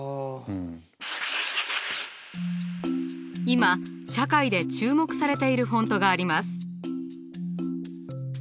今社会で注目されているフォントがあります。